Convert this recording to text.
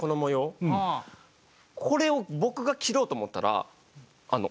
これを僕が切ろうと思ったらあの。